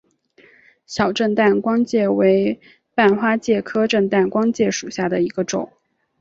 小震旦光介为半花介科震旦光介属下的一个种。